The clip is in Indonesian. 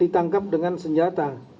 ditangkap dengan senjata